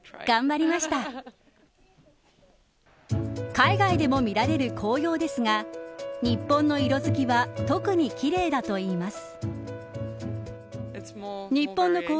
海外でも見られる紅葉ですが日本の色づきは特に奇麗だといいます。